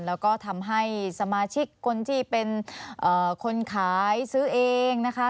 แล้วก็ทำให้สมาชิกคนที่เป็นคนขายซื้อเองนะคะ